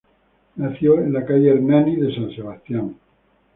Nació en la calle Hernani de San Sebastián.